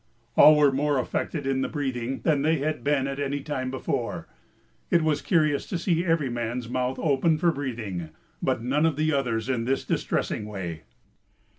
All were more affected in the breathing than they had been at any time before it was curious to see every man's mouth open for breathing but none of the others in this distressing way.